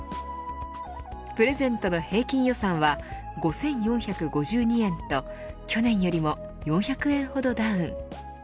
プレゼントの平均予算は５４５２円と去年よりも４００円ほどダウン。